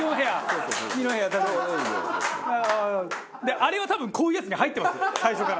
あれは多分こういうやつに入ってますよ最初から。